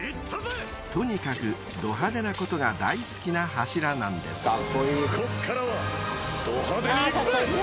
［とにかくド派手なことが大好きな柱なんです］